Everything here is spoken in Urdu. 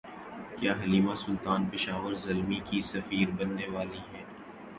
کیا حلیمہ سلطان پشاور زلمی کی سفیر بننے والی ہیں